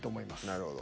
なるほど。